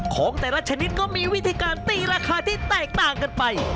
ของแต่ละชนิดก็มีวิธีการตีราคาที่แตกต่างกันไป